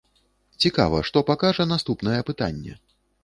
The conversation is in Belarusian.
Цікава, што пакажа наступнае апытанне?